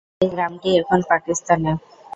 এই গ্রামটি এখন পাকিস্তানে।